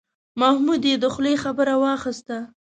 محمود یې له خولې خبره واخیسته.